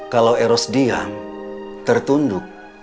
kalau eros diam tertunduk